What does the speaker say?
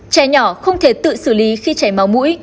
trẻ nhỏ không thể tự xử lý khi chảy máu mũi